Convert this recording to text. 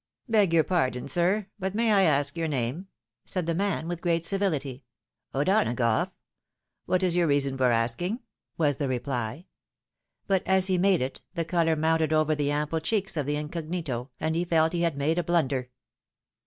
" Beg your pardon, sir ; but may I ask your name? " said the man, with great civUity. " O'Donagough. What is your reason for asking?" was the reply. But as he made it, the colour mounted over /the ample cheeks of the incognito, and he felt he had made a blunder.